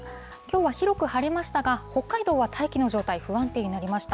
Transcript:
きょうは広く晴れましたが、北海道は大気の状態、不安定になりました。